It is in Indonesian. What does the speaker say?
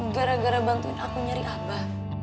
gara gara bantuin aku nyari abah